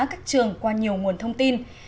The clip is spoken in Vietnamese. các trường qua nhiều nguồn thông tin